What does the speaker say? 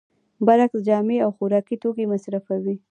برعکس جامې او خوراکي توکي مصرفوي